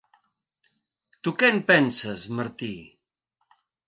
Tu què en penses, Martí?